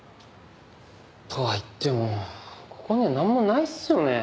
とはいってもここにはなんもないっすよね。